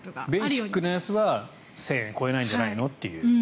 ベーシックなやつは１０００円超えないんじゃないのという。